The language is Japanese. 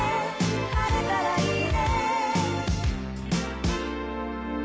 「晴れたらいいね」